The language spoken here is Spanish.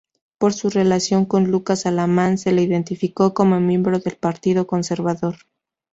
Por su relación con Lucas Alamán se le identificó como miembro del Partido Conservador.